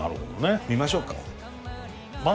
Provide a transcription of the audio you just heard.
見ましょうかもう。